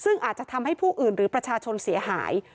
ซึ่งอาจจะทำให้ผู้อื่นหรือประชาชนเสียหาย